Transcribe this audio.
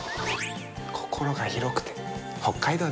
心が広くて北海道ですね。